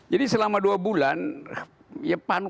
jadi selama dua bulan